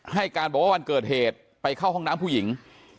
ให้การบอกว่าวันเกิดเหตุไปเข้าห้องน้ำผู้หญิง